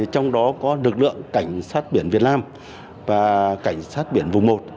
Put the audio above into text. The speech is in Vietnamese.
các lực lượng cảnh sát biển việt nam và cảnh sát biển vùng một